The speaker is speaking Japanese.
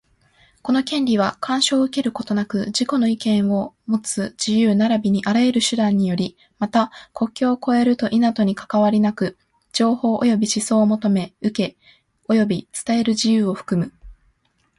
この権利は、干渉を受けることなく自己の意見をもつ自由並びにあらゆる手段により、また、国境を越えると否とにかかわりなく、情報及び思想を求め、受け、及び伝える自由を含む。